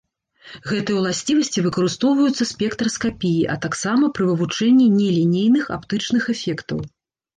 Гэтыя ўласцівасці выкарыстоўваюцца ў спектраскапіі, а таксама пры вывучэнні нелінейных аптычных эфектаў.